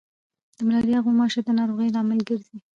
د ملاریا غوماشي د ناروغیو لامل ګرځي.